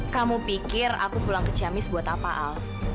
kamu pikir aku pulang ke ciamis buat apa al